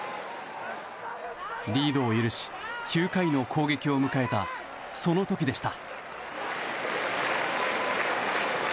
リードを許し９回の攻撃を迎えたその時でした。